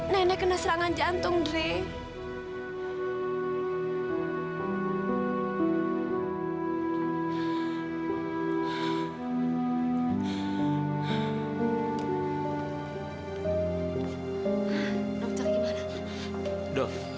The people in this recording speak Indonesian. nenek kena serangan jantung dek